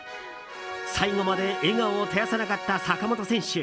最後まで笑顔を絶やさなかった坂本選手。